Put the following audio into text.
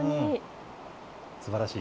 すばらしい。